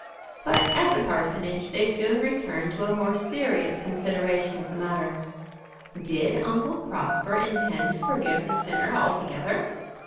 But at the parsonage they soon returned to a more serious consideration of the matter. Did Uncle Prosper intend to forgive the sinner altogether?